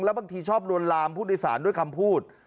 บางทีชอบลวนลามผู้โดยสารด้วยคำพูด